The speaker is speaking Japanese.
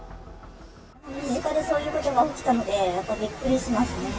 身近でそういうことが起きたので、びっくりしますね。